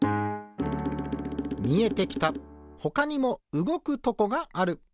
みえてきたほかにもうごくとこがある。